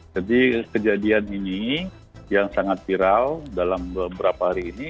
jadi kejadian ini yang sangat viral dalam beberapa hari ini